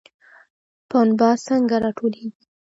پنبه څنګه راټولیږي؟